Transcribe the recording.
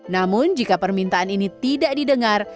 namun jika permintaan ini tidak didengar